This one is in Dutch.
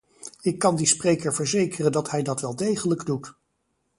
Ik kan die spreker verzekeren dat hij dat wel degelijk doet.